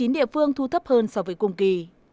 một mươi chín địa phương thu thấp hơn so với cùng kỳ